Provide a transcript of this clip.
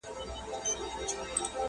په یوه ژبه ږغېږي سره خپل دي!.